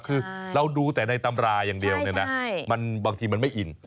คือเราดูแต่ในตำราอย่างเดียวเนี่ยนะบางทีมันไม่อิน